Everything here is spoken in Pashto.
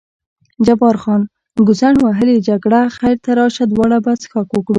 جبار خان: ګوزڼ وهلې جګړه، خیر ته راشه دواړه به څښاک وکړو.